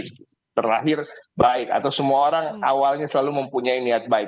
kita selalu bilang semua orang itu terlahir baik atau semua orang awalnya selalu mempunyai niat baik